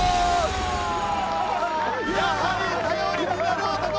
やはり頼りになる男！